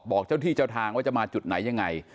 บอกเจ้าที่เจ้าทางว่าจะมาจุดไหนยังไง